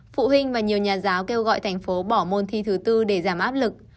phụ huynh và nhiều nhà giáo kêu gọi thành phố bỏ môn thi thứ tư để giảm áp lực